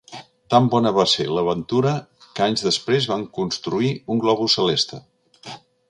Tan bona va ser l'aventura que anys després van construir un globus celeste.